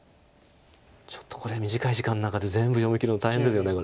ちょっとこれ短い時間の中で全部読みきるの大変ですよね。